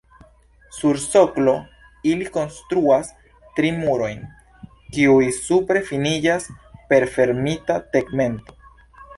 Sur soklo ili konstruas tri murojn, kiuj supre finiĝas per fermita tegmento.